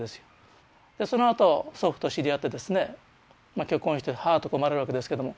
そのあと祖父と知り合ってですね結婚して母とか生まれるわけですけども。